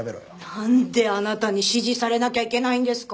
なんであなたに指示されなきゃいけないんですか？